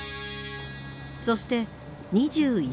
そして２１世紀。